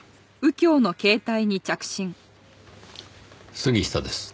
杉下です。